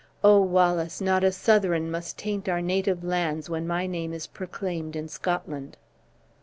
Oh, Wallace, not a Southron must taint our native lands when my name is proclaimed in Scotland!"